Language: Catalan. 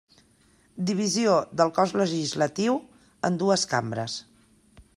Divisió del cos legislatiu en dues cambres.